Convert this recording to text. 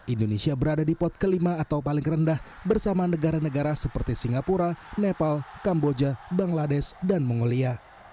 indonesia berada di pot kelima atau paling rendah bersama negara negara seperti singapura nepal kamboja bangladesh dan mongolia